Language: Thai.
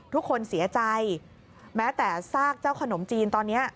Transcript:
ทุกคนเสียใจแม้แต่ซากเจ้าขนมจีนตอนนี้